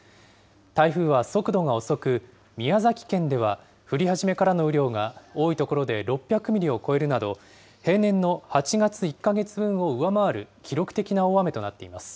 台風は速度が遅く、宮崎県では、降り始めからの雨量が多い所で６００ミリを超えるなど、平年の８か月１か月分を上回る記録的な大雨となっています。